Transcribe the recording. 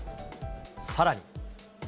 さらに。